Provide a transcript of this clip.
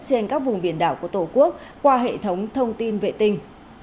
trên các vùng biển đảo của tổ quốc qua hệ thống thông tin vệ tinh